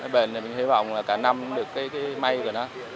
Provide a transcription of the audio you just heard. bền thì mình hy vọng là cả năm được cái may của nó